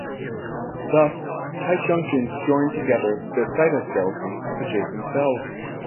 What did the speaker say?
Thus, tight junctions join together the cytoskeletons of adjacent cells.